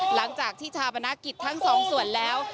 หลังจากที่ชาปนกิจทั้งสองส่วนแล้ว